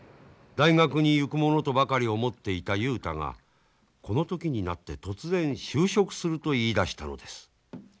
大学に行くものとばかり思っていた雄太がこの時になって突然就職すると言いだしたのです。